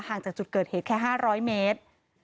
ห่างจากจุดเกิดเหตุแค่ห้าร้อยเมตร